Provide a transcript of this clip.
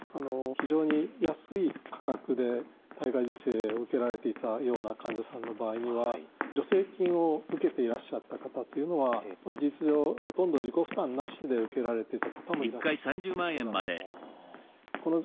非常に安い価格で体外受精を受けられていたような患者さんの場合には助成金を受けていらっしゃった方というのは事実上ほとんど自己負担なしで受けられてた方もいらっしゃる可能性があります。